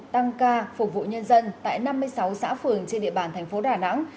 tăng ca phục vụ nhân dân tại năm mươi sáu xã phường trên địa bàn thành phố đà nẵng